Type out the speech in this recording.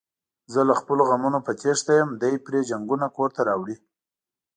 زه له خپلو غمونو په تېښته یم، دی پري جنگونه کورته راوړي.